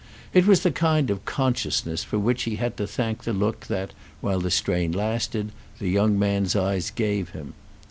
It was the kind of consciousness for which he had to thank the look that, while the strain lasted, the young man's eyes gave him.